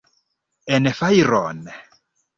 En fajron!